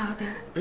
え？